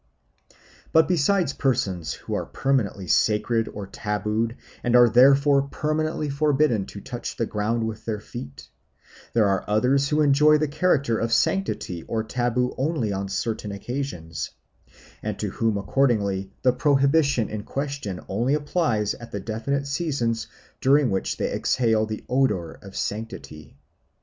But besides persons who are permanently sacred or tabooed and are therefore permanently forbidden to touch the ground with their feet, there are others who enjoy the character of sanctity or taboo only on certain occasions, and to whom accordingly the prohibition in question only applies at the definite seasons during which they exhale the odour of sanctity.